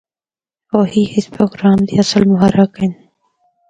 اوہی اس پروگرام دے اصل محرک ہن۔